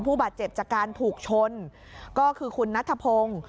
ผู้บาดเจ็บจากการถูกชนก็คือคุณนัทพงศ์